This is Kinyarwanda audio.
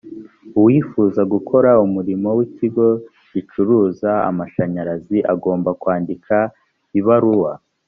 uwifuza gukora umurimo w ‘ikigo gicuruza amashanyarazi agomba kwandi ibaruwa`